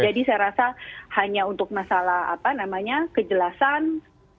jadi saya rasa hanya untuk masalah apa namanya kejelasan dari sisi draftnya